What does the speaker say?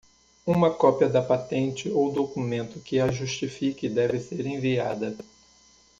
Uma cópia da patente ou documento que a justifique deve ser enviada.